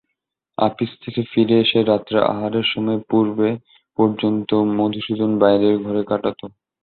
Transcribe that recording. আপিস থেকে ফিরে এসে রাত্রে আহারের সময়ের পূর্বে পর্যন্ত মধুসূদন বাইরের ঘরে কাটাত।